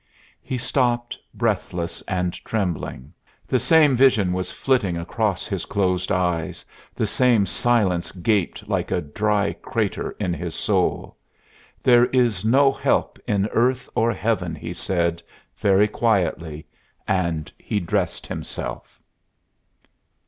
He stopped, breathless and trembling. The same visions was flitting across his closed eyes; the same silence gaped like a dry crater in his soul. "There is no help in earth or heaven," he said, very quietly; and he dressed himself.